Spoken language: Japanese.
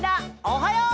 おはよう！